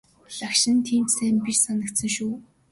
Лагшин нь тийм ч сайн биш харагдсан шүү.